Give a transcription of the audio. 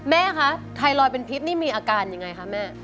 แม่คะไทรอยด์เป็นพิษนี่มีอาการยังไงคะแม่